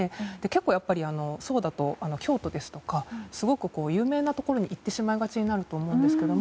結構、ソロだと京都ですとか有名なところに行ってしまいがちになると思うんですけど